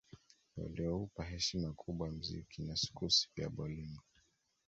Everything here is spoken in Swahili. Walioupa heshima kubwa mziki wa sukusi pia bolingo